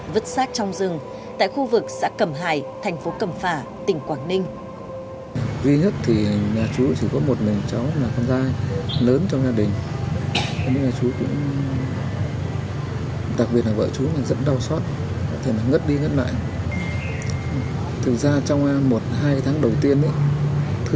vứt sát trong rừng tại khu vực xã cầm hải thành phố cầm phà tỉnh quảng ninh